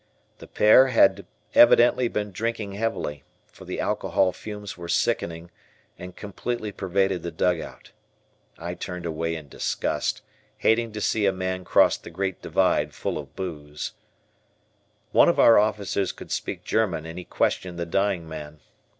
The pair had evidently been drinking heavily, for the alcohol fumes were sickening and completely pervaded the dugout. I turned away in disgust, hating to see a man cross the Great Divide full of booze. One of our officers could speak German and he questioned the dying man.